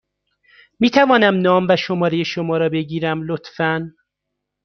می توانم نام و شماره شما را بگیرم، لطفا؟